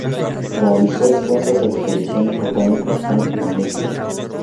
Realizó extensas expediciones botánicas a Namibia.